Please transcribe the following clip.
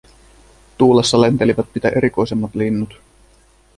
Tuulessa lentelivät mitä erikoisemmat linnut.